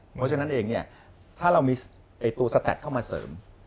เพราะฉะนั้นเองเนี่ยถ้าเรามีตัวสแตดเข้ามาเสริม